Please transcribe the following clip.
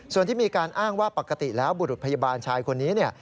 ส่วนที่มีการอ้างว่าปกติแล้วบุรุษพยาบาลชายคนนี้เนี่ย